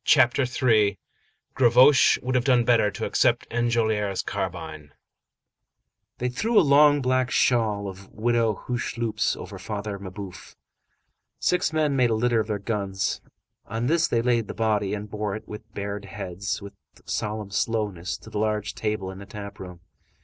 CHAPTER III—GAVROCHE WOULD HAVE DONE BETTER TO ACCEPT ENJOLRAS' CARBINE They threw a long black shawl of Widow Hucheloup's over Father Mabeuf. Six men made a litter of their guns; on this they laid the body, and bore it, with bared heads, with solemn slowness, to the large table in the tap room.